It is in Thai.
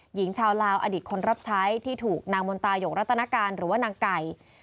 หญิงชาวลาวอดีตคนรับใช้ที่ถูกนางมนตายกรัฐนาการหรือว่านางไก่